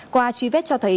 qua truy vết cho thấy